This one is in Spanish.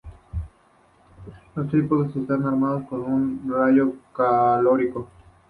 Los trípodes están armados con un rayo calórico.